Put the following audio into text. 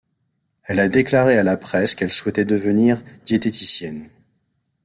Elle a déclaré à la presse qu'elle souhaitait devenir diététicienne.